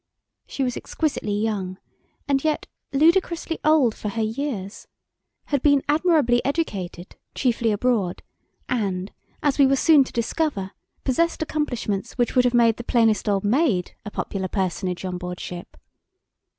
She was exquisitely young, and yet ludicrously old for her years; had been admirably educated, chiefly abroad, and, as we were soon to discover, possessed accomplishments which would have made the plainest old maid a popular personage on board ship.